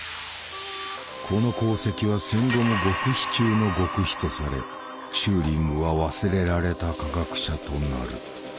この功績は戦後も極秘中の極秘とされチューリングは忘れられた科学者となる。